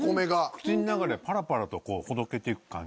口の中でパラパラとほどけていく感じ。